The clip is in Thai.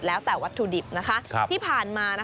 แล้วแต่วัตถุดิบที่ผ่านมา